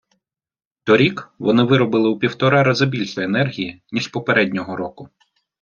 Торік вони виробили у півтора раза більше енергії, ніж попереднього року.